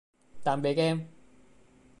tạm biệt em